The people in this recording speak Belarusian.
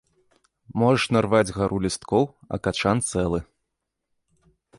Можаш нарваць гару лісткоў, а качан цэлы.